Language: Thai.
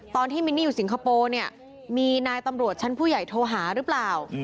มินนี่อยู่สิงคโปร์เนี่ยมีนายตำรวจชั้นผู้ใหญ่โทรหาหรือเปล่า